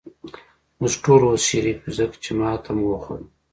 موږ ټول اوس شریف یو، ځکه چې ماته مو وخوړه.